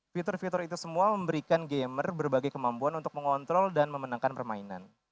fitur fitur itu semua memberikan gamer berbagai kemampuan untuk mengontrol dan memenangkan permainan